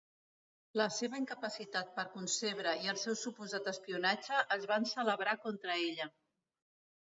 La seva incapacitat per concebre i el seu suposat espionatge es van celebrar contra ella.